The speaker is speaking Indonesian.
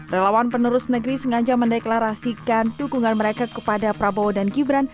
relawan penerus negeri sengaja mendeklarasikan dukungan mereka kepada prabowo dan gibran